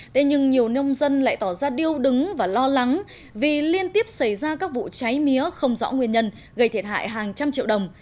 thế nhưng nhiều nông dân lại tỏ ra điêu đứng và lo lắng vì liên tiếp xảy ra các vụ cháy mía không rõ nguyên nhân gây thiệt hại hàng trăm triệu đồng